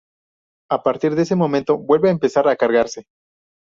A partir de ese momento vuelve a empezar a cargarse.